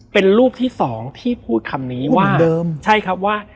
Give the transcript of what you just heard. เป็นรูปที่สองที่พูดคำนี้ว่า